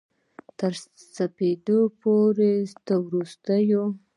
تر سپیدو پوري د ستورو